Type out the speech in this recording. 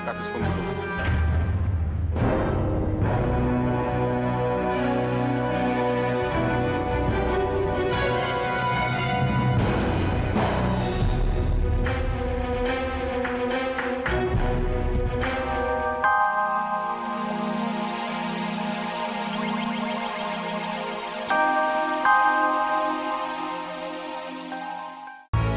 pertama kali pak